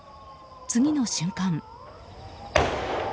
次の瞬間。